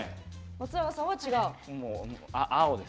松永さんは違う？